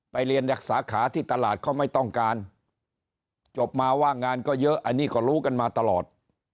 เรียนจากสาขาที่ตลาดเขาไม่ต้องการจบมาว่างงานก็เยอะอันนี้ก็รู้กันมาตลอด